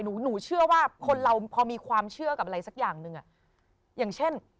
หนูหนูเชื่อว่าคนเราพอมีความเชื่อกับอะไรสักอย่างหนึ่งอ่ะอย่างเช่น